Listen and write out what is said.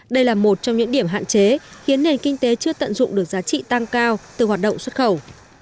đây là một trong những điểm hạn chế khiến nền kinh tế chưa tận dụng được giá trị tăng cao từ hoạt động xuất khẩu